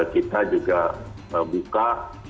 kita juga buka